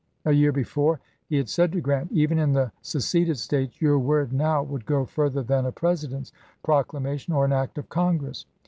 A year before he had said to Grant, " Even in the seceded States, your word now would go further than a to &S2t, President's proclamation or an act of Congress"; ism.